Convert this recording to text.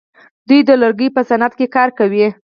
دوی د لرګیو په صنعت کې کار کوي.